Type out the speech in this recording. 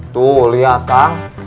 tuh lihat kang